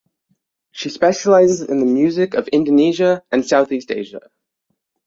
She specialises in the music of Indonesia and Southeast Asia.